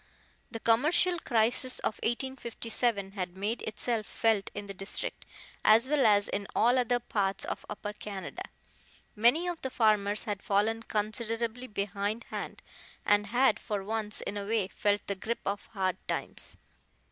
The commercial crisis of 1857 had made itself felt in the district, as well as in all other parts of Upper Canada. Many of the farmers had fallen considerably behindhand, and had for once in a way felt the grip of hard times.